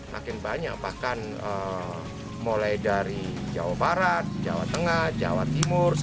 makin banyak bahkan mulai dari jawa barat jawa tengah jawa timur